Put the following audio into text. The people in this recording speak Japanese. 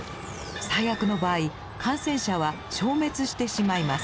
最悪の場合感染者は消滅してしまいます。